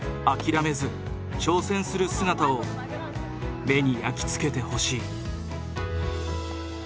諦めず挑戦する姿を目に焼き付けてほしい。